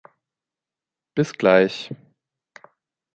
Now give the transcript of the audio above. Bis Gleich!